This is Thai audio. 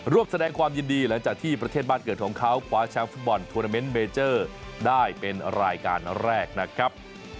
วกแสดงความยินดีหลังจากที่ประเทศบ้านเกิดของเขาคว้าแชมป์ฟุตบอลทวนาเมนต์เบเจอร์ได้เป็นรายการแรกนะครับ